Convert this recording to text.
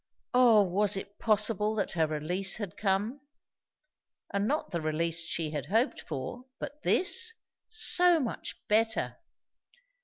O was it possible that her release had come? And not the release she had hoped for, but this? so much better!